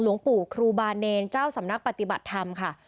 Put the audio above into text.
หลวงปู่ครูบาเนรเจ้าสำนักปฏิบัติธรรมค่ะ